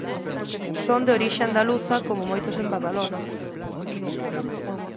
Son de orixe andaluza coma moitos en Badalona.